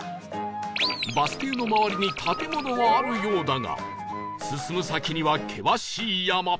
バス停の周りに建物はあるようだが進む先には険しい山